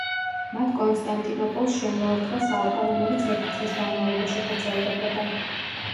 მათ კონსტანტინოპოლს შემოარტყეს ალყა, რომელიც ერთი წლის განმავლობაში გრძელდებოდა.